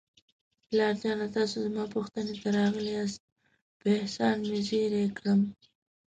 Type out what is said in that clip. پلار جانه، تاسو زما پوښتنې ته راغلاست، په احسان مې زیر کړم.